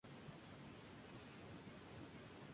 El Profr.